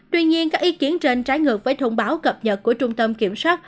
tuy nhiên các ý kiến trên trái ngược với thông báo cập nhật của trung tâm kiểm soát